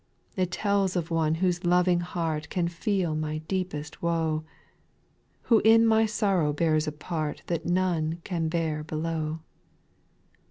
5. It tells of One whose loving heart Can feel my deepest woe, Who in my sorrow bears a part That none can bear below.